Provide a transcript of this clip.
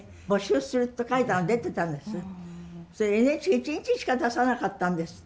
それＮＨＫ一日しか出さなかったんですって。